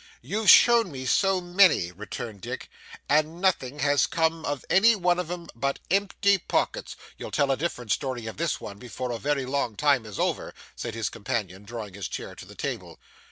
'You've shown me so many,' returned Dick; 'and nothing has come of any one of 'em but empty pockets ' 'You'll tell a different story of this one, before a very long time is over,' said his companion, drawing his chair to the table.